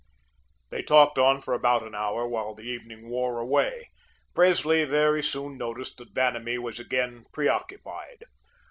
They talked on for about an hour, while the evening wore away. Presley very soon noticed that Vanamee was again preoccupied.